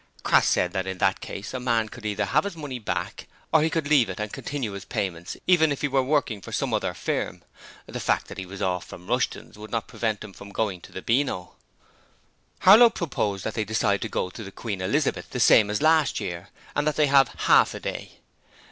Crass said that in that case a man could either have his money back or he could leave it, and continue his payments even if he were working for some other firm; the fact that he was off from Rushton's would not prevent him from going to the Beano. Harlow proposed that they decide to go to the Queen Elizabeth the same as last year, and that they have half a day.